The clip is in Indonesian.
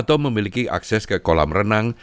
mereka juga memiliki akses ke kolam renang